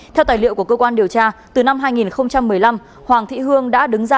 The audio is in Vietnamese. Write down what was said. theo tài liệu của cơ quan điều tra từ năm hai nghìn một mươi năm hoàng thị hương đã đứng ra